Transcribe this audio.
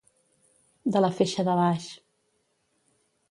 De la feixa de baix.